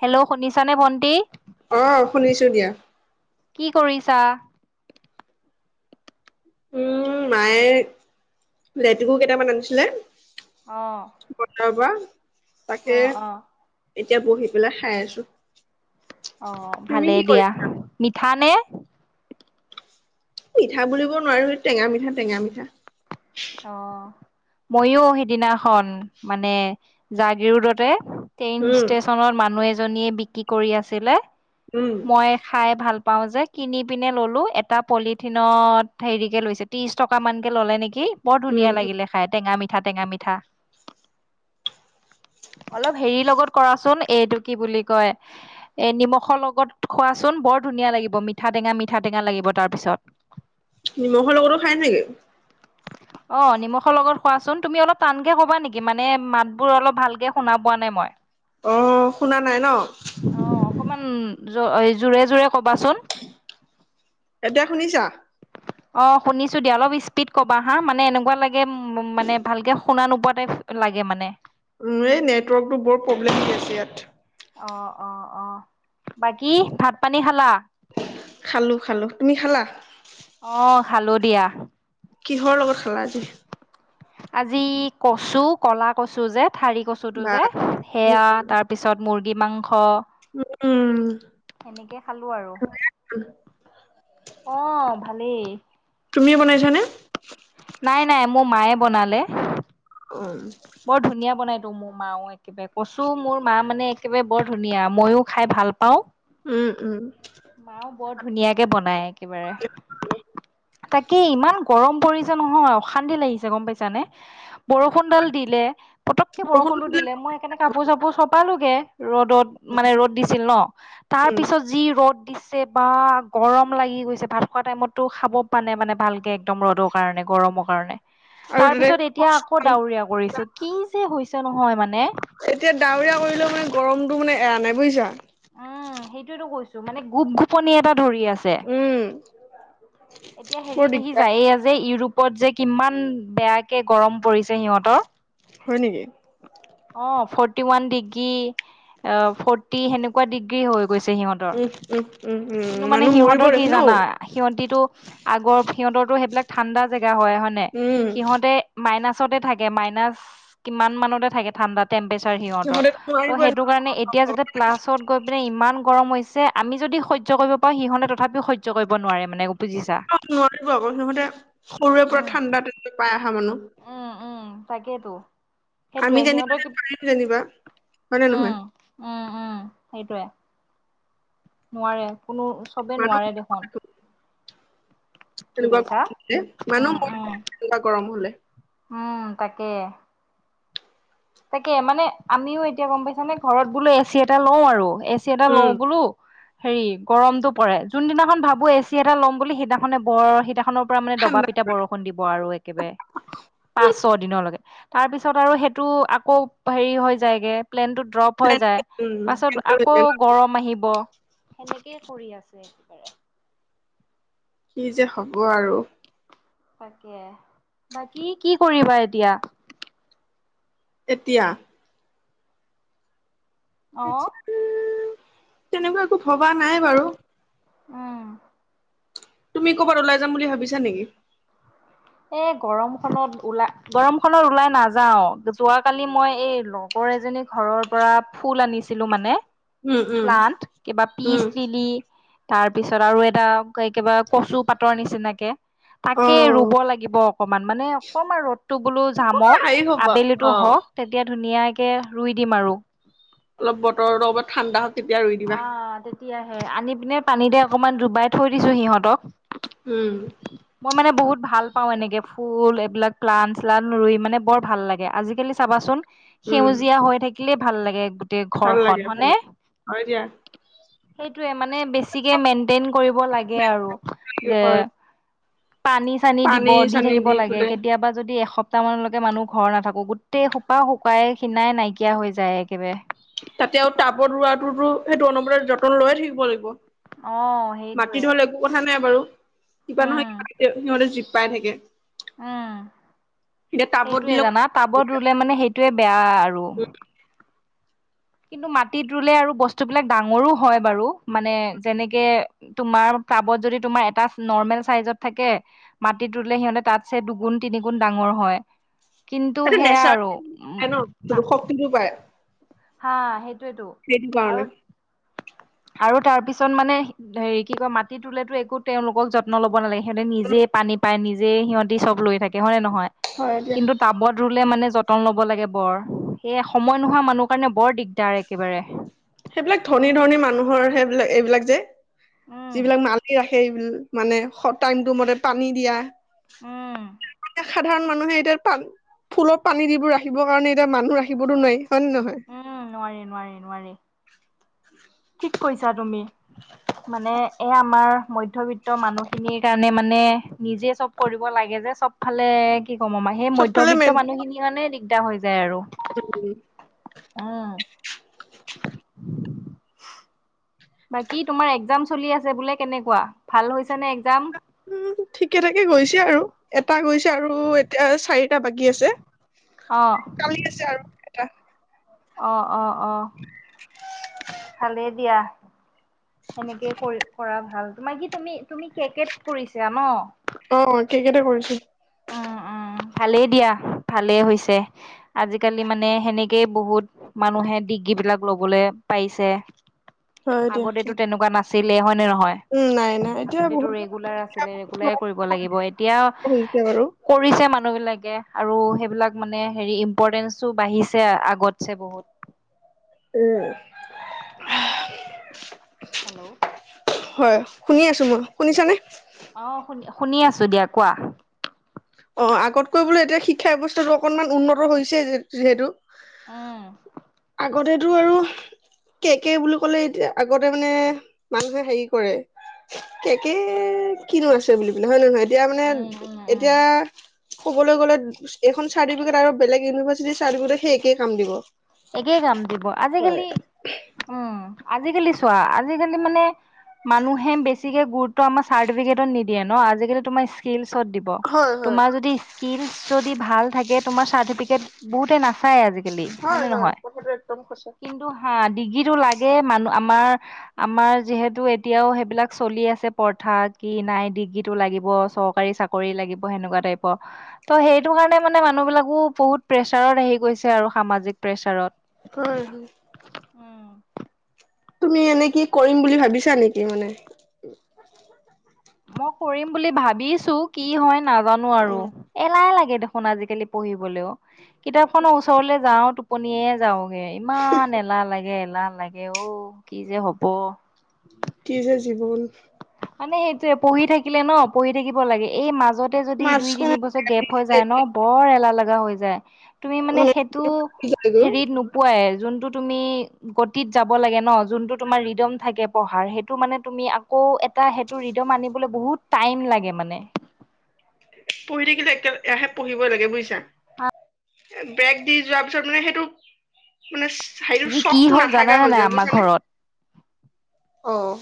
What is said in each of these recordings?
Hello শুনিছানে ভণ্টি? অ' শুনিছো দিয়া। কি কৰিছা। উম, মায়ে লেটেকু কেইটামান আনিছিলে। অ', বজাৰ পৰা তাকে, অ', অ'। এতিয়া বহি পেলাই খাই আছো। অ' তুমি ভালেই কি দিয়া কৰিছা মিঠা নে? মিঠা বুলিব নোৱাৰো সে টেঙা মিঠা, টেঙা মিঠা। মইও সেইদিনাখন মানে জাগিৰোদতে ট্ৰেইন উম ষ্টেচনত মানুহ এজনীয়ে বিক্ৰী কৰি আছিলে উম মই খাই ভাল পাওঁ যে কিনি পিনে ললো এটা পলিথিনত হেৰিকে লৈছে ত্ৰিশ টকা মানকে ল'লে নেকি? বৰ উম ধুনীয়া লাগিলে খাই টেঙা মিঠা, টেঙা মিঠা। অলপ হেৰি লগত কৰাচোন এইটো কি বুলি কয় এ নিমখৰ লগত খোৱাচোন। বৰ ধুনীয়া লাগিব মিঠা টেঙা, মিঠা টেঙা লাগিব তাৰ পিছত। নিমখৰ লগতো খায় নেকি? অ' নিমখৰ লগত খোৱাচোন। তুমি অলপ টানকে কবা নেকি মানে মাত বোৰ অলপ ভালকে শুনা পোৱা নাই মই আহ, শুনা নাই ন। অ অকমান জোৰে জোৰে কবাচোন। এতিয়া শুনিছা। অ' শুনিছো দিয়া অলপ স্পীড কবা হা মানে এনেকুৱা লাগে উ মানে ভালকে শুনা নোপোৱাতোই লাগে মানে। এই নেটৱৰ্কতো বৰ প্ৰব্লেম দি আছে ইয়াত। অ' অ' অ' বাকী ভাত পানী খালা। খালো খালো তুমি খালা। অ' খালো দিয়া। কিহৰ লগত খালা আজি। আজি কচু কলা কচু যে, ঠাৰি কচুটো বা যে সেয়া তাৰপিছত মুৰ্গী মাংস অহ, উম সেনেকে খালো আৰু আহ ভালেই তুমি বনাইছানে। নাই নাই মোৰ মায়ে বনালে। উম বৰ ধুনীয়া বনাই তো মোৰ মাও একেবাৰে কছো মোৰ মা মানে একেবাৰে বৰ ধুনীয়া মইও খাই ভাল ভাল পাওঁ। উম, উম। মাও বৰ ধুনীয়াকে বনাই একেবাৰে। তাকে ইমান গৰম পৰিছে নহয়, অশান্তি লাগিছে গ'ম পাইছা নে বৰষুণডাল দিলে পতকে বৰুণো দিলে মই সেনে কাপোৰ চাপোৰ চপালোগে। ৰ'দত মানে ৰ'দ দিছিল ন তাৰ উম পিছত যি ৰ'দ। দিছে বা গৰম লাগি গৈছে, ভাত খোৱা টাইমতটো খাব পোৱা নাই মানে ভালকে একদম ৰ'দৰ কাৰণে। গৰমৰ কাৰণে আৰু তাৰ তাতে পিছত এতিয়া আকৌ ডাৱৰীয়া কৰিছে, কি যে হৈছে নহয় মানে। এতিয়া ডাৱৰীয়া কৰিলেও মানে গৰমটো মানে এৰা নাই বুজিছা। উম সেইটোয়ে টো কৈছো মানে গোপ গোপনি এটা। উম এতিয়া বৰ হেৰি দেখি দিগদাৰ যায় যে এইয়া ইউৰোপ, - পত যে, কিমান বেয়াকে গৰম পৰিছে। সিহঁতৰ হয় নেকি? অ' ফৰঠ ফৰটি ওৱান ডিগ্ৰী ফৰ্টি সেনেকুৱা ডিগ্ৰী হৈ গৈছে সিহঁতৰ। উম উম উম কিন্তু উম মানে মানুহ মৰিব সিহঁতৰ কি দেখোন ঔ জানা সিহতিতো আগৰ সিহঁতৰো সেইবিলাক ঠাণ্ডা জেগা হয়, হয় নে উম সিহতে মাইনাচ মাইনাছতে থাকে মাইনাচ কিমান মানতে থাকে ঠাণ্ডাত। টেম্পচাৰ সিহঁতৰ সিহঁতে ত' নোৱাৰিব সেইটো কাৰণে এতিয়া যেতিয়া প্লাছত পিনে ইমান গৰম হৈছে আমি যদি হৈয্য কৰিব পাৰো সিহঁতে তথাপিও হৈয্য কৰিব নোৱাৰে মানে। বুজিছা নোৱাৰিব আগমতে সৰুৰে পৰাৰা উম ঠাণ্ডা তেনেকৈ পাই অহা মানুহ। তাকে তো। আমি সেইটোৱে যেনিবা সিহঁতে টো, পাৰিম যেনিবা হয় নে নহয় উম উম উম। সেইটোৱে নোৱাৰে কোনো চবেই মানুহ নোৱাৰে দেখোন কি তেনেকুৱা কৈছা হলে উম মানহ মই উম তেনেকুৱা কৰম হলে উম তাকে তাকে মানে আমিও এতিয়া গম পাইছা নে ঘৰত বোলো এচি এটা লও আৰু এ চি এটা লও উম বোলো হেৰি গৰমতটো পৰে যোনদিনাখন ভাবো এচি এটা ল'ম বুলি সিদিনাখনে বৰ সিদিনাখনৰ পৰা মানে দবা পিঠা ঠাণ্ডা বৰষুণ দিব আৰু একেবাৰে পাঁচ ছ দিনৰলৈকে তাৰপিছত আৰু সেইটো আকৌ হেৰি হৈ যায়গে প্লেনতটো ড্ৰপ হৈ যায় পাছত আকৌ উম গৰম আহিব সেনেকেই কৰি আছো একেবাৰে কিযে হব আৰু তাকে বাকী কি কৰিবা এতিয়া এতিয়া অ তেনেকুৱা একো ভবা নাই বাৰু উম তুমি কৰ'বাত ওলাই যাম বুলি ভাবিছা নেকি এ গৰম খত ওলাই গৰম খত ওলাই নাযাও যোৱাকালি মই এই লগৰ এজনী ঘৰৰ পৰা ফুল আনিছিলো মানে উম, উম, প্লান্ত ক বা উম, পিচ লিলি তাৰ পিছত আৰু এটা কবা কচু পাতৰ নিচিনাকে তাকে অ', ৰুব লাগিব অকমান মানে অকমান ৰ'দটো বোলো অকমান জামক হেৰি হব আবেলিটো অ', হক তেতিয়া ধুনীয়াকে ৰুই দিম আৰু অলপ বতৰটো ঠাণ্ডা তেতিয়া ৰুই দিবা। অ তেতিয়াহে আনি পিনে পানী দে অকমান ডুবাই থৈ দিছো সিহঁতক মই [inaudible] মানে বহুত ভাল পাওঁ, এনেকৈ ফুল এইবিলাক প্লাণ- ছালন ৰুই মানে বৰ ভাল লাগে আজিকালি চাবাচোন। উম, সেউজীয়া হৈ থাকিলেই ভাল লাগে গোটেই ভাল ঘৰখনন লাগে ভাল হয়নে। লাগে হয় দিয়া সেইটোয়ে মানে বেছিকে মেইনটেইন কৰিব লাগে আৰু যে হয় পানী-চানী দিব পানী দি চানী থাকিব লাগে পেলাই কেতিয়াবা যদি এস এসপ্তাহমানলৈকে মানুহ ঘৰ নাথাকো গোটেই হোপা শুকাই খিনাই নাইকিয়া হৈ যায় একেবাৰে। তাতে আৰু টাবত ৰোৱাটোতো সেইটো অনবৰতে যতন লৈয়ে থাকিব লাগিব। অ সেইটোয়ে মাটি হলে একো কথা নাই বাৰু। কিবা নহয় উম সিহঁতে জীপ পাই থাকে। উম এতিয়া টাবত সেইটোয়ে জানা টাবত দিলে ৰুলে মানে সেইটোয়ে বেয়া আৰু কিন্তু মাটিত ৰুলে আৰু বস্তুবিলাক ডাঙৰো হয় বাৰু মানে যেনেকে তোমাৰ ক্াবত যদি তোমাৰ এটা নৰ্মেল চাইজত থাকে মাটিত ৰুলে সিহঁতে তাতছে দুগুণ তিনিগুণ ডাঙৰ হয় কিন্তু সেইটো সেয়া নেচাৰ আৰু উ ন বস্তুটো শক্তিটো পায় হা সেইটোয়েতো সেইটো কাৰণে আৰু আৰু তাৰ পিছত মানে হেৰি কি কয় মাটি ৰুলেতো একো তেওঁলোকক যত্ন ল'ব নালাগে। সিহঁতে নিজে পানী পাই নিজে সিহঁতি চব লৈ থাকে হয়নে নহয় হয় দিয়া কিন্তু টাবত ৰুলে মানে যতন ল'ব লাগে বৰ এই সময় নোহোৱা মানুহৰ কাৰণে বৰ দিগদাৰ একেবাৰে সেইবিলাক ধনী ধনী মানুহ ৰ সেইবিলাক এইবিলাক যে উম যিবিলাক মালি সেই মানে টাইমটো মতে পানী দিয়া উম সাধাৰণ মানুহে এতিয়া প ফুলত পানী দিবোৰ ৰাখিবৰ কাৰণে এতিয়া মানুহ ৰাখিবতো নাই উম নোৱাৰি নোৱাৰি নোৱাৰি ঠিক কৈছা তুমি মানে এ আমাৰ মধ্যবিত্ত মানুহখিনিৰ কাৰণে মানে নিজে চব কৰিব লাগে যে চবফালে কি ক'ম আমাৰ সেই চবফালে মধ্যবিত্ত মানুহখিনি মানে দিগদাৰ হৈ যায় আৰু উম উম বাকী তোমাৰ এক্জাম চলি আছে বোলে কেনেকুৱা ভাল হৈছে নে একজাম উম ঠিকে থাকে গৈছে আৰু এটা গৈছে আৰু এতিয়া চাৰি এটা বাকী আছে অ কালি আছে আৰু এটা অ অ অ ভালেই দিয়া সেনেকেই কৰি কৰা ভাল তোমাৰ কি তুমি তুমি কে কে কৰিছা ন অ কেকেইটা কৰিছো অ অ ভালেই দিয়া ভালেই হৈছে আজিকালি মানে সেনেকেই বহুত মানুহে ডিগ্ৰী বিলাক ল'বলৈ পাইছে হয় দিয়া আগতেটো তেনেকুৱা নাছিলে হয় নে নহয় উম নাই নাই এতিয়া আগতেটো বহুত ৰেগুলাৰ আছিলে ৰেগুলাৰ কৰিব লাগিব এতিয়া হৈছে বাৰু কৰিছে মানুহ বিলাক আৰু সেইবিলাক মানে হেৰি ইম্পৰ্টেঞ্চো বাঢ়িছে আগতছে বহুত উম হেল্ল' হয় শুনি আছো মই শুনিছানে অ শুনি শুনি আছো দিয়া কোৱা অ আগতকৈ বোলে এতিয়া শিক্ষা ব্য্ৱস্থাটো অকনমান উন্নত হৈছে যিহেতু উম আগতেতটো আৰু কে কে বুলি কলে এতিয়া আগতে মানে মানুহে হেৰি কৰে কেকে কিনো আছে বুলি পোলে হয় ন নহয় এতিয়া মানে উম উম উম এতিয়া কবলৈ গলে এখন চাৰ্টফিকে আৰু বেলেগ ইউনিভাৰ্চিটি চাৰ্টিফিকেট সেই একেই কাম দিব একেই কাম দিব হয় আজিকালি উম আজিকালি চোৱা আজিকালি মানে মানুহে বেছিকে গুৰুত্ব আমাৰ চাৰ্টিফিকেটত নিদিয়ে আজি কালি তোমাৰ ইস্কিলচত দিব। হয় হয় তোমাৰ যদি ইস্কিলচ যদি ভাল থাকে তোমাৰ চাৰ্টিফিকেট বহুতে নাচায় আজিকালি হয় নে নহয় কথাটো একদম সঁচা কিন্তু ডিগ্ৰীটো লাগে মানুহ আমাৰ আমাৰ যিহেতু এতিয়াও সেইবিলাক চলি আছে প্ৰথা কি নাই ডিগ্ৰীটো লাগিব চৰকাৰী চাকৰি লাগিব সেনেকুৱা টাইপৰ ত সেইটো কাৰণে মানে মান মানুহ বিলাকো বহুত প্ৰেছাৰত আহি গৈছে আৰু সামাজিক প্ৰেচাৰত হয় হয় তুমি এনে কি কৰিম বুলি ভাবিছা নেকি মানে মই কৰিম বুলি ভাবিছো কি হয় নাজানো অ আৰু এলাহে লাগে দেখোন আজিকালি পঢ়িবলৈও কিতাপ খনৰ ওচৰলৈ যাও টোপনিয়ে যাওগে ইমান এলাহ লাগে এলাহ লাগে অঔ কি যে হব! কি যে জীৱন মানে সেইটোয়ে পঢ়ি থাকিলে ন পঢ়ি থাকিব লাগে এই মাজত তে যদি মাছ দুই তিনি মানে বছৰ গেপ হৈ যায় ন বৰ এলাহ লগা হৈ যায় তুমি মানে সেইটো হেৰিত নোপোৱাই যোনটো তুমি গতিত যাব লাগে ন যোনটো তোমাৰ ৰিডম থাকে পঢ়াৰ সেইটো মানে তুমি আকৌ এটা সেইটো ৰিদম আনিবলৈ বহুত টাইম লাগে মানে পঢ়ি থাকিলে এতিয়াৰাহে পঢ়িবই লাগে বুজিছা। বেগ দি যোৱাৰ পিছত মানে সেইটো মানে হৰিটো আজি কি চখটো হ'ল নাথাকা জানানে হৈ নাই যায় আমাৰ বুজছানে? ঘৰত অ'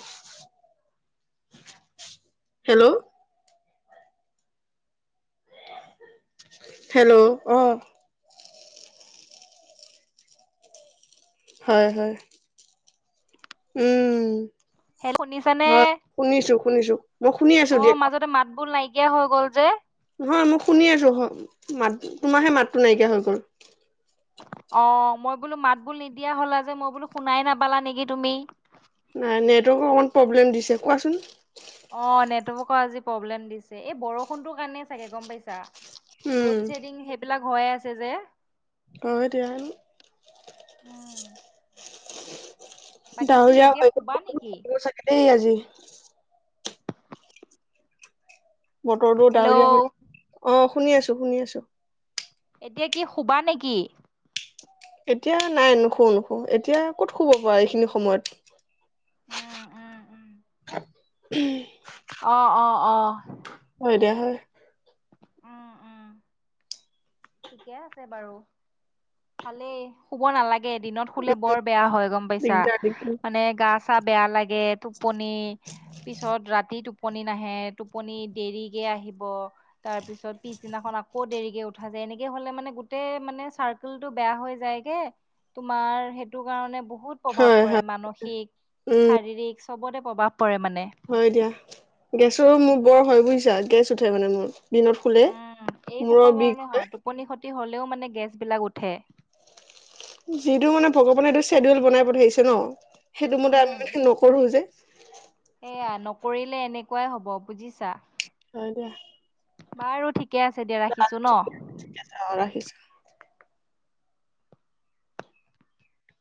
হেল্ল'ও হেল্ল'ও অঁ হয় হয়। উম। হেল্ল' শুনিছানে হয়, শুনিছো শুনিছো মই শুনি আছো দিয়া ক কে হৈ গ'ল যে। নহয় মই শুনি আছো, হৈ মাত তোমাৰাহে মাতটো নাইকিয়া হৈ গ'ল। অঁ মই বোলো মাত বোল নিদিয়া হলা যে মই বোলো শুনাই নাপালা নেকি তুমি? নাই নেটৱৰ্ক অকমান প্ৰব্লেম দিছে, কোৱাচোন। অঁ, নেটৱৰ্কৰ আজি প্ৰব্লেম দিছে এই বৰষুণটোৰ কাৰণে চাগে, গম পাইছা? লোড উম শ্বেডিং সেইবিলাক হৈ আছে যে। কাওৱে ধ্যান উম। বাকী কি ডাৱৰীয়া এতিয়া হৈ শুবা নেকি [unintelligible] দেই চাগে দেই আজি বটৰটো হেল্ল' ডাৱৰীয়া হৈ অঁ শুনি আছো শুনি আছো। এতিয়া কি শুবা নেকি? এতিয়া নাই নোশু নোশু এতিয়া ক'ত শুব পাৰা এইখিনি সময়ত উম উম উম। উম। অঁ অঁ অঁ হয় দিয়া হয়। উম উম ঠিকে আছে বাৰু, ভালেই শুব নালাগ এদিনত শুলে বৰ বেয়া হয় গম পাইছা দিগদাৰ দিগদাৰ মানে গা-চা বেয়া লাগে, টোপনি পিছত ৰাতি টোপনি নাহে টোপনি দেৰিকৈ আহিব। তাৰ পিছত পিছদিনাখন আকৌ দেৰিকে উঠ ভাজে এনেকে হ'লে মানে গোটেই মানে চাৰ্কুলটো বেয়া হৈ যায়গে তোমাৰ সেইটো কাৰণে বহুত প্ৰভাৱ হয় পৰে হয় মানসিক, উম শাৰীৰিক চবতে প্ৰভাৱ পৰে মানে হয় দিয়া গেছৰো মোৰ বৰ হয় বুজিছা গেছ উঠে মানে মোৰ। দিনত শুলে উম এই সোপা মূৰৰ কাৰণে বিষ হয়, টোপনি হ'লেও মানে গেছবিলাক উঠে। যিটো মানে ভগৱানে স্বেডিউল বনাই পঠিছে ন সেইটো মতে আমি মানে নকৰো যে এয়া নকৰিলে এনেকুৱাই হব বুজিছা হয় দিয়া বাৰু ঠিকে আছে দিয়া ৰাখিছো ন। ঠিক আছে অ ৰাখিছো